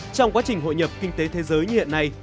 trong quá trình hội nhập kinh tế thế giới như hiện nay